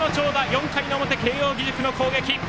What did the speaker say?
４回の表、慶応義塾の攻撃。